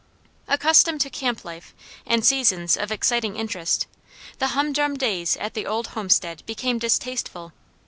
Accustomed to camp life and scenes of exciting interest, the humdrum days at the old homestead became distasteful.